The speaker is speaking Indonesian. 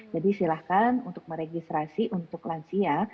jadi silahkan untuk meregistrasi untuk lansia